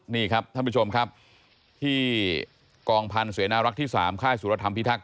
นี่ครับท่านผู้ชมครับที่กองพันธ์เสนารักษ์ที่๓ค่ายสุรธรรมพิทักษ